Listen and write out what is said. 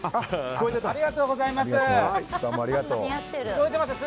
ありがとうございます。